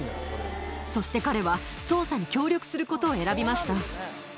そして、彼は捜査に協力することを選びました。